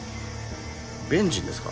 ベンジンですか。